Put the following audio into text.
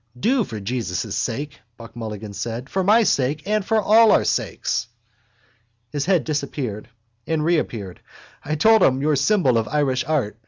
—Do, for Jesus' sake, Buck Mulligan said. For my sake and for all our sakes. His head disappeared and reappeared. —I told him your symbol of Irish art.